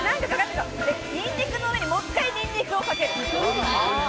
ニンニクの上に、もっかいニンニクをかける。